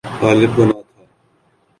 غالب کو نہ تھا۔